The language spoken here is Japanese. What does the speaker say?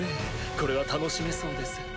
これは楽しめそうです。